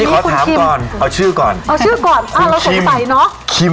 เย่นี่ขอถามก่อนเอาชื่อก่อนเอาชื่อก่อนอ่าเราสงสัยเนอะคุณคิม